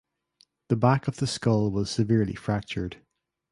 The back of the skull was severely fractured.